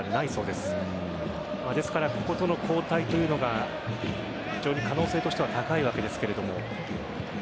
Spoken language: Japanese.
ですからこことの交代というのが非常に可能性としては高いわけですが。